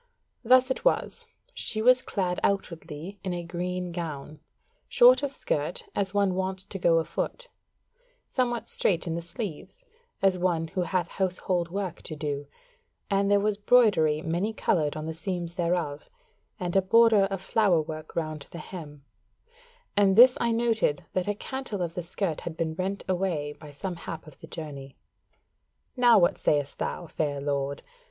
Thus it was: she was clad outwardly in a green gown, short of skirt as of one wont to go afoot; somewhat straight in the sleeves as of one who hath household work to do, and there was broidery many coloured on the seams thereof, and a border of flower work round the hem: and this I noted, that a cantle of the skirt had been rent away by some hap of the journey. Now what sayest thou, fair lord?